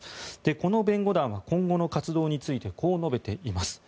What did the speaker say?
この弁護団は今後の活動についてこう述べています。